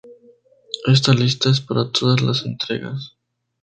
Esta lista es para todas las entregas.